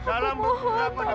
aku mohon tolonglah kami ratu